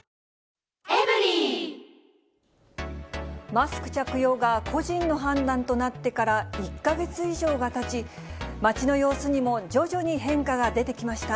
マスク着用が個人の判断となってから１か月以上がたち、街の様子にも徐々に変化が出てきました。